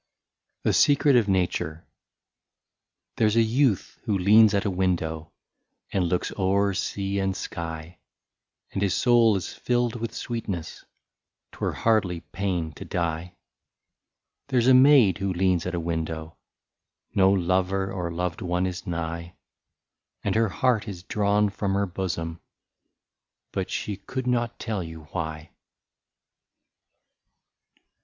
26 A SECRET OF NATURE. There 's a youth who leans at a window, And looks o'er sea and sky, And his soul is filled with sweetness, — 'T were hardly pain to die. There 's a maid who leans at a window, No lover or loved one is nigh. And her heart is drawn from her bosom, — But she could not tell you why.